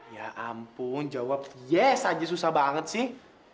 ya ampun jawab yes aja susah banget sih